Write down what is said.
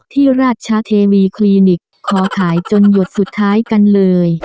ราชเทวีคลินิกขอขายจนหยดสุดท้ายกันเลย